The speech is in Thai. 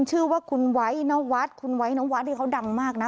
ชื่อว่าคุณไว้นวัดคุณไว้นวัดนี่เขาดังมากนะ